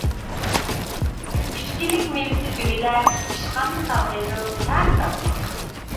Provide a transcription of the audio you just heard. ئۈچكىلىك مېۋىسى دۈگىلەك، پىشقاندا سارغىيىدۇ، تەمى تاتلىق.